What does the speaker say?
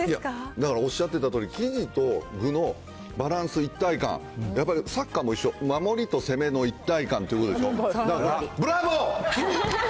だからおっしゃってたとおり、生地と具のバランス、一体感、やっぱりサッカーも一緒、守りと攻めの一体感ということでしょ？